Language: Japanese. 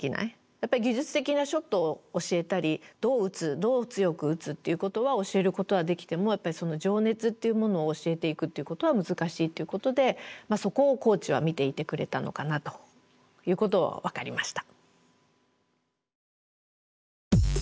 やっぱり技術的なショットを教えたりどう打つどう強く打つっていうことは教えることはできてもやっぱりその情熱っていうものを教えていくっていうことは難しいということでそこをコーチは見ていてくれたのかなということは分かりました。